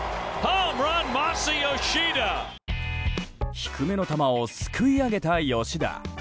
低めの球をすくい上げた吉田。